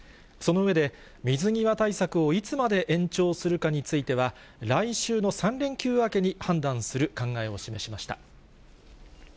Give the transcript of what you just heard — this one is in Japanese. その上で、水際対策をいつまで延長するかについては、来週の３連休明けに、判断する考えを示しました。